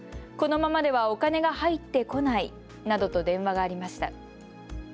このままではお金が入ってこないなどと電話がありました。